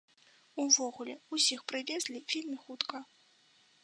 Увогуле ўсіх прывезлі вельмі хутка.